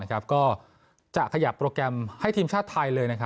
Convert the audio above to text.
ก็จะขยับโปรแกรมให้ทีมชาติไทยเลย